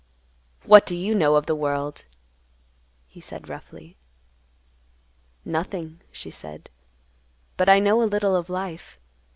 "What do you know of the world?" he said roughly. "Nothing," she said. "But I know a little of life.